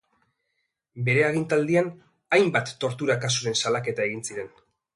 Bere agintaldian, hainbat tortura kasuren salaketa egin ziren.